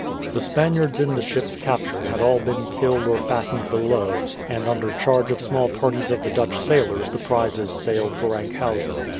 The Spaniards in the ships captured had all been killed or fastened below, and under charge of small parties of the Dutch sailors the prizes sailed for Enkhuizen.